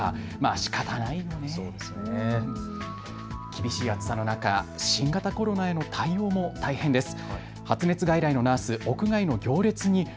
厳しい暑さの中、新型コロナへの対応も大変です。